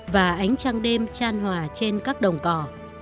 và ánh trăng đêm tran hòa trên các đồng cỏ